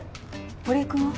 堀江君は？